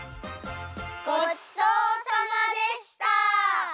ごちそうさまでした！